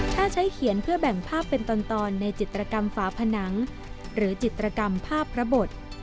ถ้าใช้เขียนเพื่อแบ่งภาพเป็นตอนในจิตรกรรมฝาผนังหรือจิตรกรรมภาพพระบท